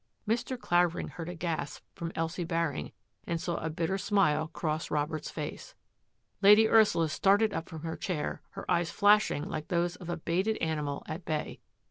" Mr. Clavering heard a gasp from Elsie Baring and saw a bitter smile cross Robert's face. Lady Ursula started up from her chair, her eyes flash ing like those of a baited animal at bay.